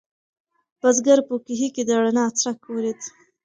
بزګر په کوهي کې د رڼا څرک ولید.